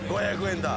５００円だ。